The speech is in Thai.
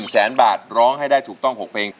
แสนบาทร้องให้ได้ถูกต้อง๖เพลง